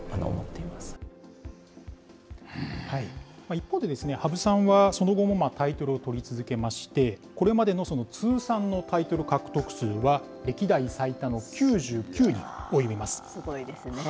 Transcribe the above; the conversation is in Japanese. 一方でですね、羽生さんはその後もタイトルを取り続けまして、これまでの通算のタイトル獲得数は、すごいですね。